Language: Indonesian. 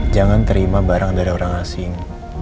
jangan terima barang dari orang asing